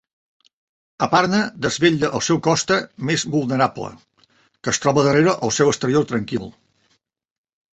Aparna desvetlla el seu costa més vulnerable, que es troba darrere el seu exterior tranquil.